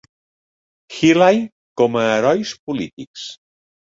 Healy com a herois polítics.